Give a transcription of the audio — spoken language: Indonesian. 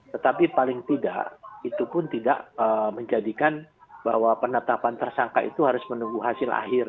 tetapi paling tidak itu pun tidak menjadikan bahwa penetapan tersangka itu harus menunggu hasil akhir